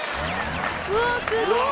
うわすごい！